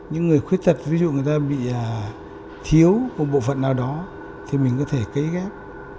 những người khuyết tật ví dụ người ta bị thiếu một bộ phận nào đó thì mình có thể cấy ghép